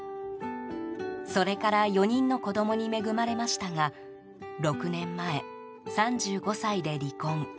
それから４人の子供に恵まれましたが６年前、３５歳で離婚。